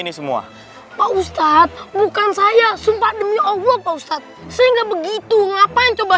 ini semua pak ustadz bukan saya sumpah demi allah pak ustadz sehingga begitu ngapain coba